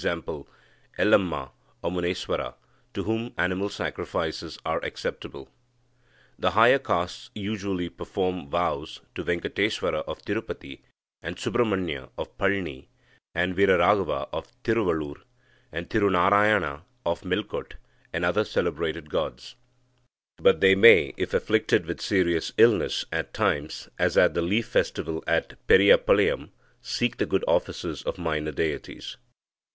Ellamma or Muneswara, to whom animal sacrifices are acceptable. The higher castes usually perform vows to Venkateswara of Tirupati, Subramanya of Palni, Viraraghava of Tiruvallur, Tirunarayana of Melkote, and other celebrated gods. But they may, if afflicted with serious illness, at times, as at the leaf festival at Periyapalayam (p. 148), seek the good offices of minor deities.